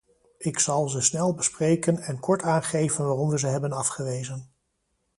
Ik zal ze snel bespreken en kort aangeven waarom we ze hebben afgewezen.